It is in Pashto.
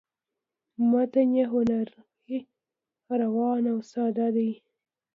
متن یې هنري ،روان او ساده دی